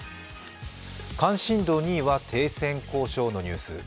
関心度２位は停戦交渉のニュース。